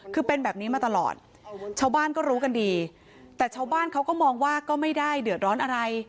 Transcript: คือเป็นแบบนี้มาตลอดชาวบ้านก็รู้กันดีแต่ชาวบ้านเขาก็มองว่าก็ไม่ได้เดือดร้อนอะไร